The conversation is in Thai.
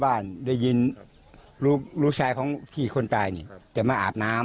บ้านที่บ้านได้ยินลูกใช่ของพี่คนตายเนี่ยจะมาอาบน้ำ